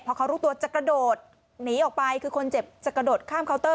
พอเขารู้ตัวจะกระโดดหนีออกไปคือคนเจ็บจะกระโดดข้ามเคานเตอร์